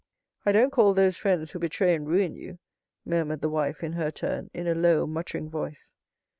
"I don't call those friends who betray and ruin you," murmured the wife in her turn, in a low, muttering voice.